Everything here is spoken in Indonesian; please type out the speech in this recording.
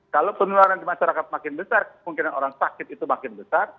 kalau penularan di masyarakat makin besar kemungkinan orang sakit itu makin besar